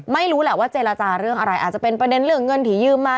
ไม่รู้แหละว่าเจรจาเรื่องอะไรอาจจะเป็นประเด็นเรื่องเงินที่ยืมมา